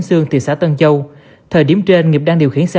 cũng như phát triển kinh tế